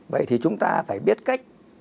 vậy thì chúng ta phải biết cách